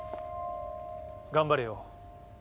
頑張れよ